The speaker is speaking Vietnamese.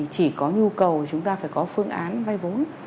chỉ có nhu cầu chúng ta phải có phương án vay vốn